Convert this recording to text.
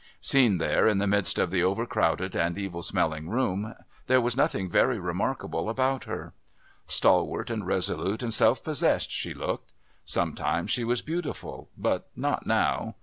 Seen there in the mist of the overcrowded and evil smelling room, there was nothing very remarkable about her. Stalwart and resolute and self possessed she looked; sometimes she was beautiful, but not now.